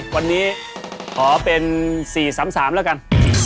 วันนี้ขอเป็น๔๓๓แล้วกัน